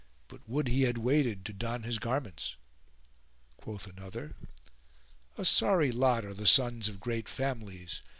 but would he had waited to don his garments." Quoth another, "A sorry lot are the sons of great families!